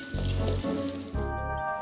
jangan bos allah